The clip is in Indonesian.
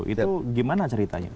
itu gimana ceritanya